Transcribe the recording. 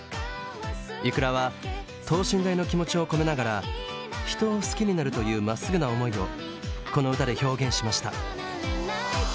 ｉｋｕｒａは等身大の気持ちを込めながら人を好きになるというまっすぐな思いをこの歌で表現しました。